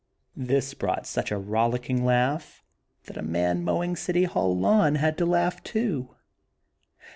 This brought such a rollicking laugh that a man mowing City Hall lawn had to laugh, too.